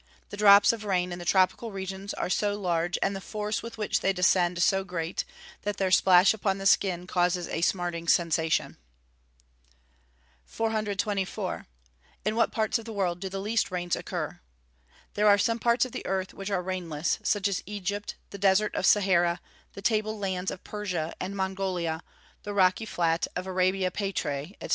The drops of rain in the tropical regions are so large, and the force with which they descend so great, that their splash upon the skin causes a smarting sensation. 424. In what parts of the world do the least rains occur? There are some parts of the earth which are rainless, such as Egypt, the desert of Sahara, the table lands of Persia and Montgolia, the rocky flat of Arabia Petræ, &c.